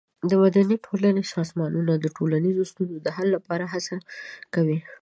د مدني ټولنې سازمانونه د ټولنیزو ستونزو د حل لپاره هڅه کوي.